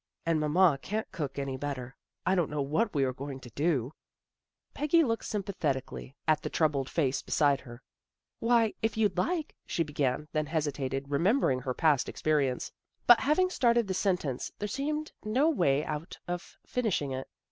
And Mamma can't cook any better. I don't know what we are going to do." Peggy looked sympathetically at the troubled 58 THE GIRLS OF FRIENDLY TERRACE face beside her. " Why, if you'd like," she began, then hesitated, remembering her past experience. But having started the sentence there seemed no way out of finishing it.